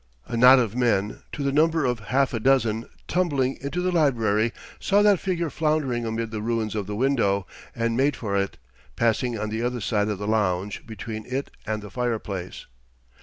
A knot of men, to the number of half a dozen, tumbling into the library, saw that figure floundering amid the ruins of the window, and made for it, passing on the other side of the lounge, between it and the fireplace.